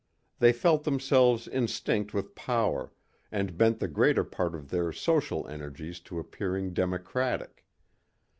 They felt themselves instinct with power, and bent the greater part of their social energies to appearing democratic.